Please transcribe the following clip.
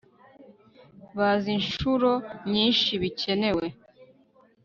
Baza inshuro nyinshi bikenewe